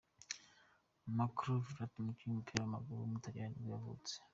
Marco Verratti, umukinnyi w’umupira w’amaguru w’umutaliyani nibwo yavutse.